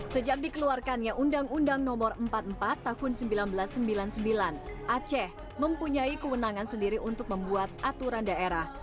sejak dikeluarkannya undang undang no empat puluh empat tahun seribu sembilan ratus sembilan puluh sembilan aceh mempunyai kewenangan sendiri untuk membuat aturan daerah